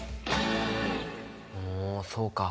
おそうか。